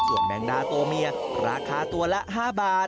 ส่วนแมงดาตัวเมียราคาตัวละ๕บาท